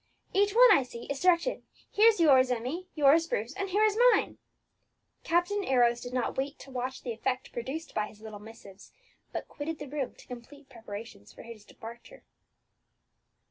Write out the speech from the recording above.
"Each one, I see, is directed: here's yours, Emmie; yours, Bruce; and here is mine!" Captain Arrows did not wait to watch the effect produced by his little missives, but quitted the room to complete preparations for his departure.